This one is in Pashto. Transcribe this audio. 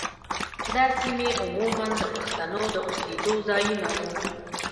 دا سیمې عموماً د پښتنو د اوسېدو ځايونه وو.